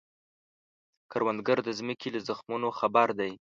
کروندګر د ځمکې له زخمونو خبر دی